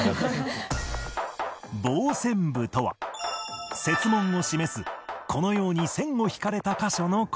傍線部とは設問を示すこのように線を引かれた箇所の事